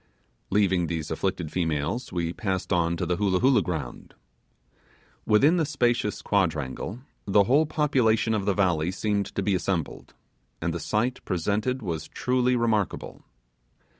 Leaving these afflicted females, we passed on to the Hoolah Hoolah ground. Within the spacious quadrangle, the whole population of the valley seemed to be assembled, and the sight presented was truly remarkable.